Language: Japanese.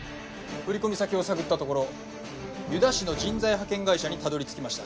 振込先を探ったところ遊田氏の人材派遣会社にたどりつきました。